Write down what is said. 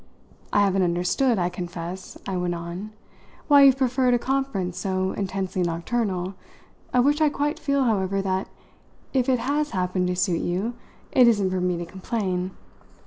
I haven't understood, I confess," I went on, "why you've preferred a conference so intensely nocturnal of which I quite feel, however, that, if it has happened to suit you, it isn't for me to complain.